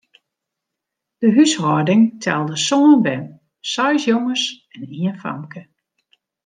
De húshâlding telde sân bern, seis jonges en ien famke.